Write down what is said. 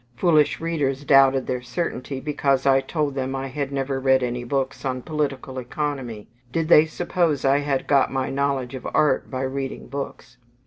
Foolish readers doubted their certainty, because I told them I had "never read any books on Political Economy" Did they suppose I had got my knowledge of art by reading books?